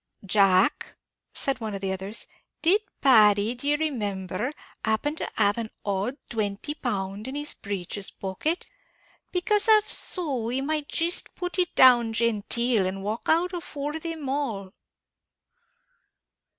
"Jack," said one of the others, "did Paddy, d'y remimber, happen to have an odd twenty pound in his breeches pocket? becase av so, he might jist put it down genteel, and walk out afore thim all."